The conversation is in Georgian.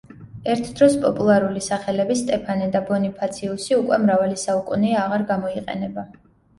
ერთდროს პოპულარული სახელები სტეფანე და ბონიფაციუსი უკვე მრავალი საუკუნეა აღარ გამოიყენება.